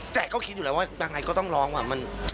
แต่ก็คิดอยู่แล้วว่ายังไงก็ต้องร้องว่ะ